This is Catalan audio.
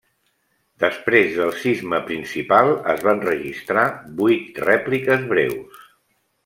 Després del sisme principal, es van registrar vuit rèpliques breus.